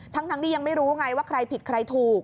ทั้งที่ยังไม่รู้ไงว่าใครผิดใครถูก